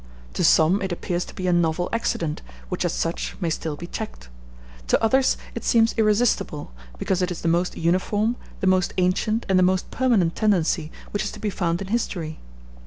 To some it appears to be a novel accident, which as such may still be checked; to others it seems irresistible, because it is the most uniform, the most ancient, and the most permanent tendency which is to be found in history.